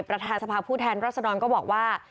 ประธานสภาพผู้แทนรัศดรก็บอกว่า